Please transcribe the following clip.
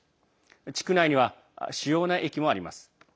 地区内には主要な駅もあります。